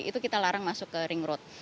itu kita larang masuk ke ring road